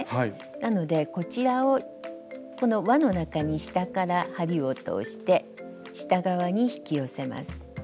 なのでこちらをこのわの中に下から針を通して下側に引き寄せます。